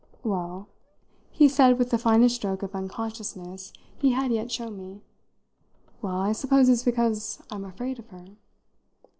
"Well," he said with the finest stroke of unconsciousness he had yet shown me "well, I suppose it's because I'm afraid of her."